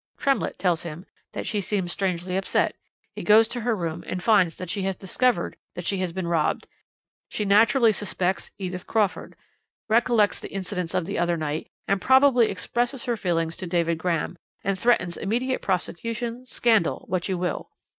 Tremlett tells him that she seems strangely upset; he goes to her room and finds that she has discovered that she has been robbed. She naturally suspects Edith Crawford, recollects the incidents of the other night, and probably expresses her feelings to David Graham, and threatens immediate prosecution, scandal, what you will.